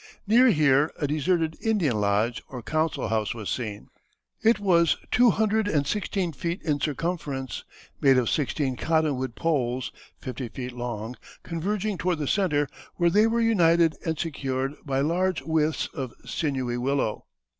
Near here a deserted Indian lodge or council house was seen. It was two hundred and sixteen feet in circumference, made of sixteen cottonwood poles, fifty feet long, converging toward the centre, where they were united and secured by large withes of sinewy willow.